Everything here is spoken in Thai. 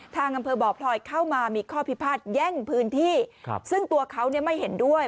อำเภอบ่อพลอยเข้ามามีข้อพิพาทแย่งพื้นที่ซึ่งตัวเขาเนี่ยไม่เห็นด้วย